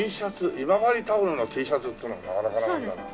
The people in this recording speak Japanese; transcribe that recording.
今治タオルのＴシャツっていうのもなかなかなものだな。